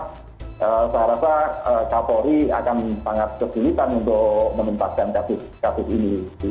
saya rasa kapolri akan sangat kesulitan untuk menuntaskan kasus kasus ini